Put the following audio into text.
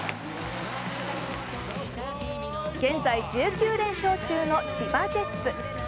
現在、１９連勝中の千葉ジェッツ。